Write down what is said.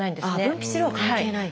分泌量は関係ない？